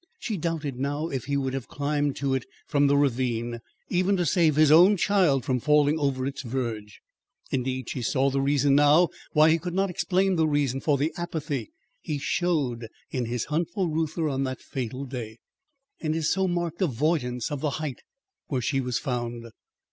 She doubted now if he would have climbed to it from the ravine even to save his child from falling over its verge. Indeed, she saw the reason now why he could not explain the reason for the apathy he showed in his hunt for Reuther on that fatal day, and his so marked avoidance of the height where she was found.